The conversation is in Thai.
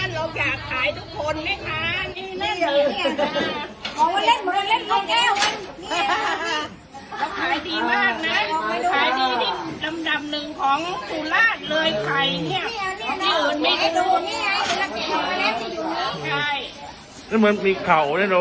ที่อื่นไม่ได้ดูใช่มันมีเข่าเนี้ยเรารู้สึกยังไงอ่ะ